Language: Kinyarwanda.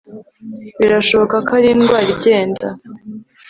Birashoboka ko ari indwara igenda